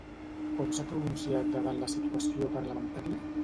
Com s'ha pronunciat davant de la situació parlamentària?